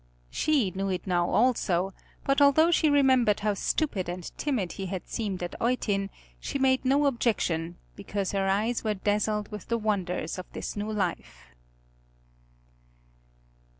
She knew it now also, but although she remembered how stupid and timid he had seemed at Eutin, she made no objection, because her eyes were dazzled with the wonders of this new life.